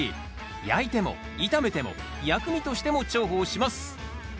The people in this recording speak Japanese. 焼いても炒めても薬味としても重宝します。